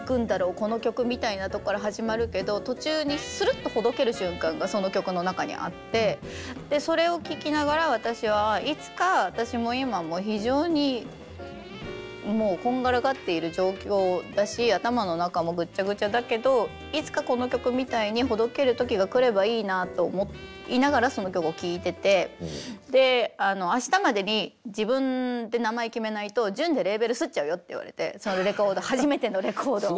この曲みたいなところから始まるけど途中にするっとほどける瞬間がその曲の中にあってそれを聴きながら私は「いつか私も今もう非常にもうこんがらがっている状況だし頭の中もぐっちゃぐちゃだけどいつかこの曲みたいにほどける時が来ればいいなあと思いながらその曲を聴いててで「明日までに自分で名前決めないと『ジュン』でレーベル刷っちゃうよ」って言われて初めてのレコードで。